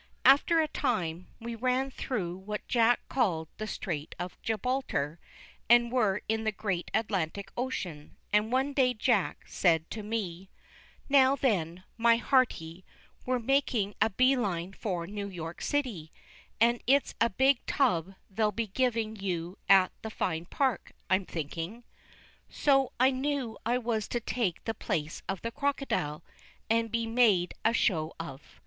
After a time, we ran through what Jack called "the Strait of Gibraltar," and were in the great Atlantic Ocean, and one day Jack said to me: "Now then, me hearty, we're making a bee line for New York City, and it's a big tub they'll be giving you at the fine park, I'm thinking." So I knew I was to take the place of the crocodile, and be made a show of.